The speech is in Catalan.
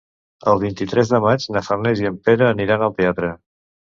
El vint-i-tres de maig na Farners i en Pere aniran al teatre.